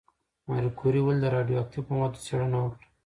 ماري کوري ولې د راډیواکټیف موادو څېړنه وکړه؟